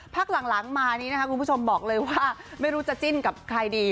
พักหลังมานี้นะคะคุณผู้ชมบอกเลยว่าไม่รู้จะจิ้นกับใครดี